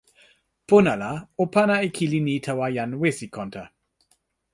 pona la o pana e kili ni tawa jan Wesikonta.